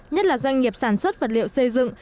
nhất là doanh nghiệp sản xuất vật liệu xây dựng